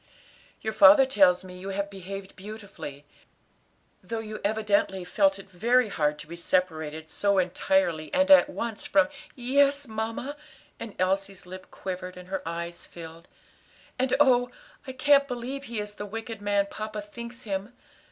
"Your father tells me you have behaved beautifully, though you evidently felt it very hard to be separated so entirely and at once fr " "Yes, mamma," and Elsie's lip quivered, and her eyes filled, "and oh, I can't believe he is the wicked man papa thinks him.